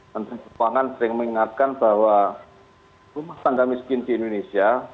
menteri keuangan sering mengingatkan bahwa rumah tangga miskin di indonesia